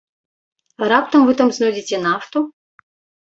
Раптам вы там знойдзеце нафту?